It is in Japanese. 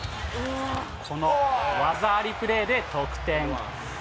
この技ありプレーで得点。